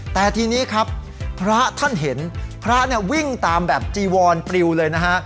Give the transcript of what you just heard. แต่ทีนี้ครับพระท่านเห็นพระเนี่ยวิ่งตามแบบจีวอนปริวเลยนะฮะ